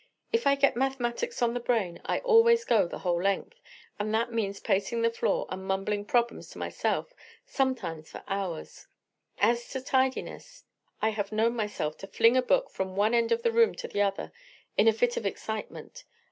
If I get mathematics on the brain I always go the whole length, and that means pacing the floor and mumbling problems to myself, sometimes for hours. As to tidiness, I have known myself to fling a book from one end of the room to the other in a fit of excitement.